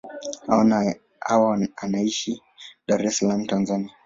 Hawa anaishi Dar es Salaam, Tanzania.